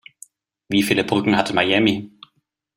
Wie viele Brücken hat Miami?